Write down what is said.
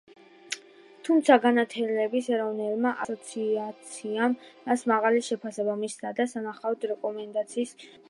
თუმცა, განათლების ეროვნულმა ასოციაციამ მას მაღალი შეფასება მისცა და სანახავად რეკომენდაციას უწევდა.